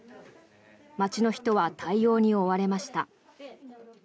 街の人は対応に追われました。